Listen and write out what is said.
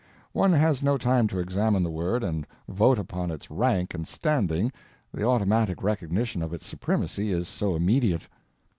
One has no time to examine the word and vote upon its rank and standing, the automatic recognition of its supremacy is so immediate.